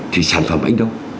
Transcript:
thì sản phẩm ảnh đâu